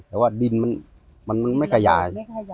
แต่ว่าดินมันไม่ขยาย